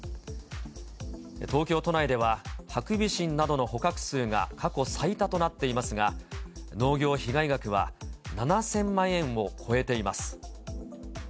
東京都内では、ハクビシンなどの捕獲数が過去最多となっていますが、農業被害額は７０００万円を超えています。